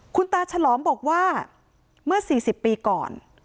คุณตาฉลอมบอกว่าเมื่อ๔๐ปีก่อน